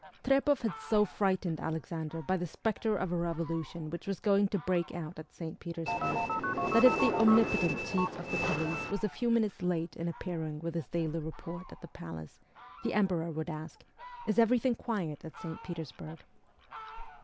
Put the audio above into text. Trepoff had so frightened Alexander by the spectre of a revolution which was going to break out at St. Petersburg, that if the omnipotent chief of the police was a few minutes late in appearing with his daily report at the palace, the Emperor would ask, ' Is everything quiet at St. Petersburg